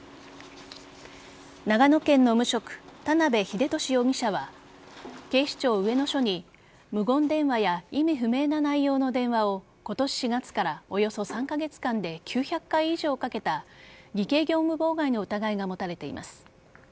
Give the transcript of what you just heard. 長野県の無職・田辺秀敏容疑者は警視庁上野署に無言電話や意味不明な内容の電話を今年４月からおよそ３カ月間で９００回以上かけた偽計業務妨害の疑いが持たれています。